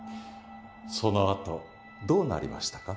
そのあとどうなりましたか？